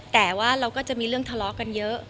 แต่ว่าเราก็จะมีเรื่องทะเลาะกันเยอะ